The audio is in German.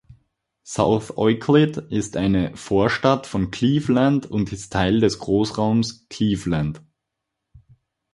South Euclid ist eine Vorstadt von Cleveland und ist Teil des Großraums Cleveland.